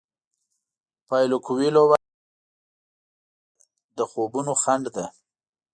پایلو کویلو وایي د ناکامۍ وېره له خوبونو خنډ ده.